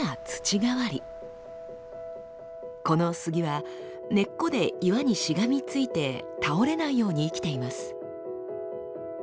この杉は根っこで岩にしがみついて倒れないように生きています。